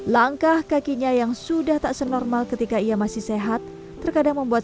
langkah kakinya yang sudah tak senormal ketika ia masih sehat terkadang membuat